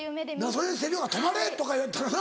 それでセリフが「止まれ！」とかやったらな。